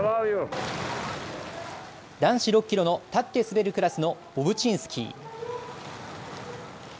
男子６キロの立って滑るクラスのボブチンスキー。